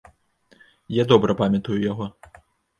Я добра памятаю яго.